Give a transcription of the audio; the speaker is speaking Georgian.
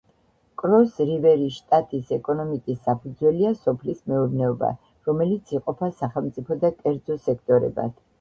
კროს-რივერის შტატის ეკონომიკის საფუძველია სოფლის მეურნეობა, რომელიც იყოფა სახელმწიფო და კერძო სექტორებად.